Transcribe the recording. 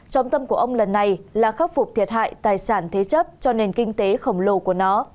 trọng tâm của ông lần này là khắc phục thiệt hại tài sản thế chấp cho nền kinh tế khổng lồ của nó